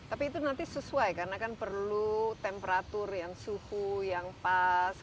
tapi itu nanti sesuai karena kan perlu temperatur yang suhu yang pas